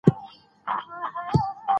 په پټیو کې د شوتلو شین رنګ سترګو ته رڼا بښي.